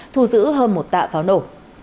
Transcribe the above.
thu giữ hơn một tạ pháo nổ